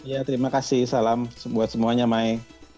ya terima kasih salam buat semuanya mai